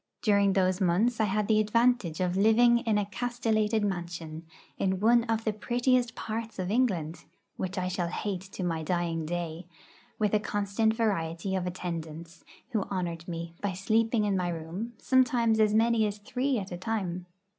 During those months I had the advantage of living in a castellated mansion, in one of the prettiest parts of England, which I shall hate to my dying day, with a constant variety of attendants, who honoured me by sleeping in my room, sometimes as many as three at a time.